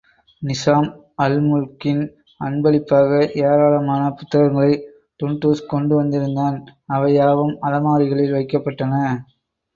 நிசாம் அல்முல்க்கின் அன்பளிப்பாக ஏராளமான புத்தகங்களை டுன்டுஷ் கொண்டு வந்திருந்தான் அவை யாவும் அலமாரிகளில் வைக்கப்பட்டன.